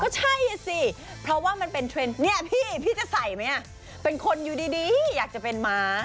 ใช่สิเพราะว่ามันเป็นเทรนด์เนี่ยพี่พี่จะใส่ไหมเป็นคนอยู่ดีอยากจะเป็นม้า